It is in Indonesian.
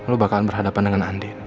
lo bakalan berhadapan dengan andin